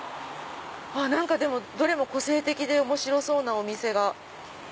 どれも個性的で面白そうなお店が。